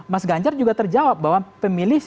mas ganjar juga terjawab bahwa pemilih